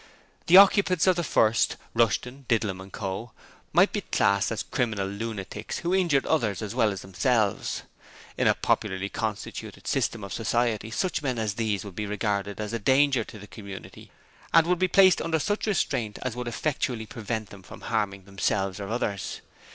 The occupants of the first Rushton, Didlum and Co. might be classed as criminal lunatics who injured others as well as themselves. In a properly constituted system of society such men as these would be regarded as a danger to the community, and would be placed under such restraint as would effectually prevent them from harming themselves or others.